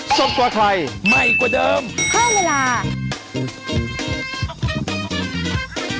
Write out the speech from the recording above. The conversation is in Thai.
ถูกหมาแท้